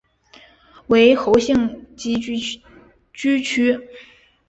为侯姓集居区。